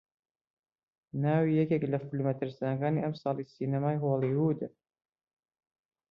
ناوی یەکێک لە فیلمە ترسناکەکانی ئەمساڵی سینەمای هۆلیوودە